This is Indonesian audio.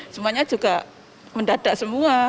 semuanya juga mendadak semua